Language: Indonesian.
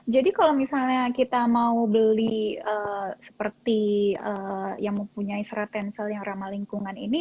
jadi kalau misalnya kita mau beli seperti yang mempunyai seratensel yang ramah lingkungan ini